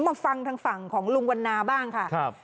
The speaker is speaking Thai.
มาฟังทางฝั่งของลุงวันนาบ้างค่ะ